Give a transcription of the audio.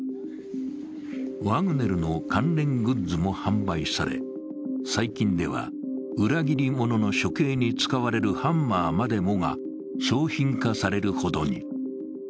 ワグネルの関連グッズも販売され、最近では裏切り者の処刑に使われるハンマーまでもが商品化されるほどに。